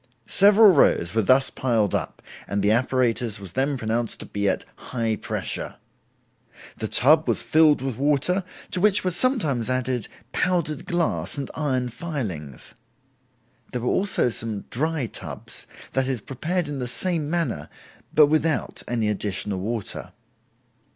Several rows were thus piled up, and the apparatus was then pronounced to be at 'high pressure'. The tub was filled with water, to which were sometimes added powdered glass and iron filings. There were also some dry tubs, that is, prepared in the same manner, but without any additional water.